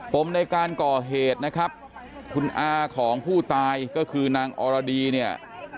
มในการก่อเหตุนะครับคุณอาของผู้ตายก็คือนางอรดีเนี่ย